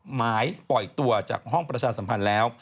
หมายปล่อยตัวจากห้องประชาสัมพันธ์แล้ว